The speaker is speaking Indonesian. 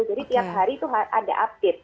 jadi tiap hari itu ada update